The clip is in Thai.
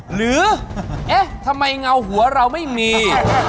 หรือเอ๊ะทำไมเงาหัวเราไม่มี